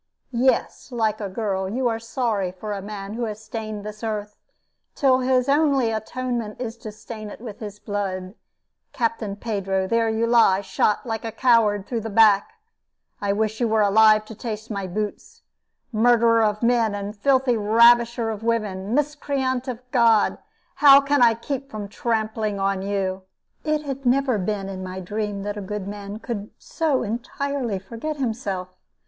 "Yes, like a girl, you are sorry for a man who has stained this earth, till his only atonement is to stain it with his blood. Captain Pedro, there you lie, shot, like a coward, through the back. I wish you were alive to taste my boots. Murderer of men and filthy ravisher of women, miscreant of God, how can I keep from trampling on you?" It never had been in my dream that a good man could so entirely forget himself.